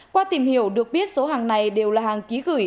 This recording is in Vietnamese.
qua tìm hiểu được biết số hàng này đều là hàng ký gửi